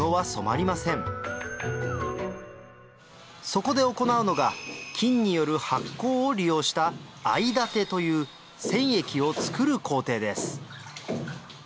そこで行うのが菌による発酵を利用した藍建てという染液をつくる工程です